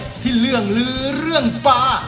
ร้านเด็ดที่เรื่องลื้อเรื่องปลา